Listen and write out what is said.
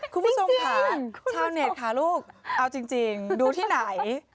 คุณผู้ชมค่ะชาวเน็ตค่ะลูกเอาจริงดูที่ไหน